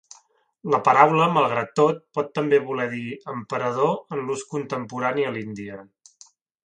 La paraula, malgrat tot, pot també voler dir emperador en l'ús contemporani a l'Índia.